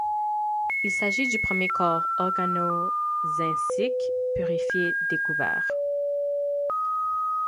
Il s'agit du premier corps organozincique purifié découvert.